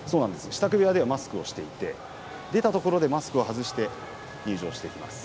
支度部屋ではマスクをしていて出たところで、マスクを外して入場してきます。